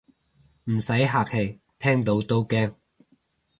唔使客氣，聽到都驚